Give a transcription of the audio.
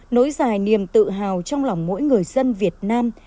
nối dài niềm tự hào trong lòng mỗi người dân việt nam